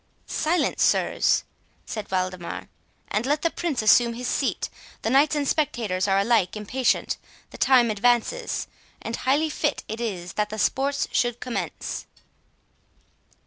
"Silence, sirs," said Waldemar, "and let the Prince assume his seat. The knights and spectators are alike impatient, the time advances, and highly fit it is that the sports should commence."